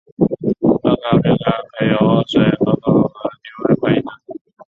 二高氯酸肼可由水合肼和高氯酸在低温反应得到。